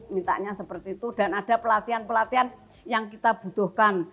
mintanya seperti itu dan ada pelatihan pelatihan yang kita butuhkan